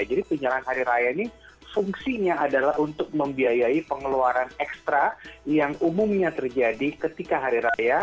jadi tunjangan hari raya ini fungsinya adalah untuk membiayai pengeluaran ekstra yang umumnya terjadi ketika hari raya